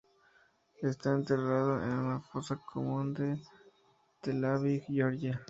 Está enterrado en una fosa común en Telavi, Georgia.